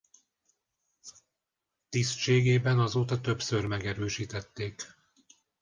Tisztségében azóta többször megerősítették.